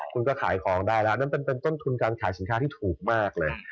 คุณก็ขายของได้แล้วนั่นเป็นต้นทุนการขายสินค้าที่ถูกมากเลย